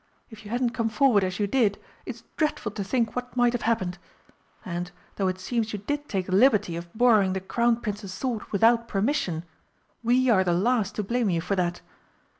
If you hadn't come forward as you did, it's dreadful to think what might have happened. And, though it seems you did take the liberty of borrowing the Crown Prince's sword without permission, we are the last to blame you for that.